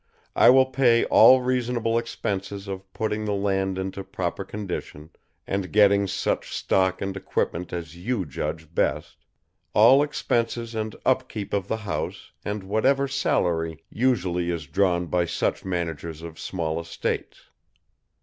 I will pay all reasonable expenses of putting the land into proper condition and getting such stock and equipment as you judge best; all expenses and up keep of the house and whatever salary usually is drawn by such managers of small estates.